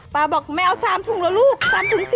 ป่าบอกแม่เอาสามถุงละลูกสามถุง๔๐